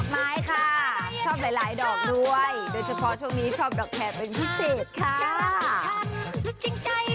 ไม่ค่ะชอบหลายดอกด้วยโดยเฉพาะช่วงนี้ชอบดอกแคร์เป็นพิเศษค่ะ